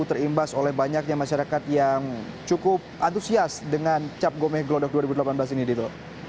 terimbas oleh banyaknya masyarakat yang cukup antusias dengan cap gome glodok dua ribu delapan belas ini dito